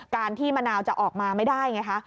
ที่มะนาวจะออกมาไม่ได้ไงคะ